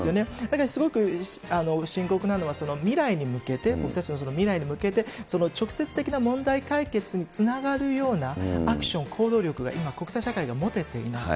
だからすごく深刻なのは、未来に向けて、僕たちの未来に向けて、直接的な問題解決につながるようなアクション、行動力が今、国際社会が持てていない。